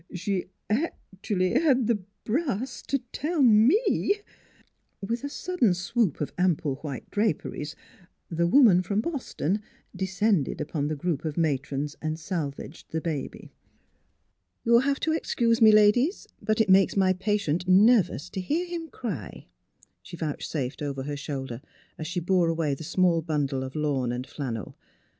She actooally had the brass t' tell mf " tfltC With a sudden swoop of ample white draperies the woman from Boston descended upon the group of matrons and salvaged the baby. " You'll have to excuse me, ladies, but it makes my patient nervous to hear him cry," she vouch safed over her shoulder, as she bore away the small bundle of lawn and flannel.